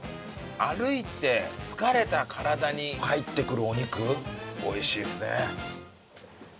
歩いて疲れた体に入ってくるお肉美味しいですね。